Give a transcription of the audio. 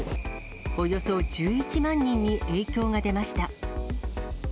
およそ１１万人に影響が出ました。